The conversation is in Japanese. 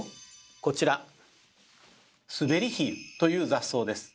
こちら「スベリヒユ」という雑草です。